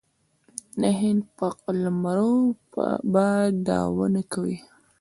د هند په قلمرو به دعوه نه کوي.